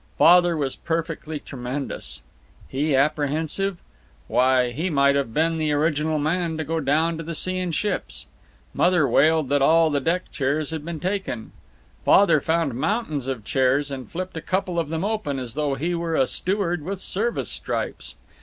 Father was perfectly tremendous. He apprehensive? Why, he might have been the original man to go down to the sea in ships. Mother wailed that all the deck chairs had been taken; Father found mountains of chairs and flipped a couple of them open as though he were a steward with service stripes.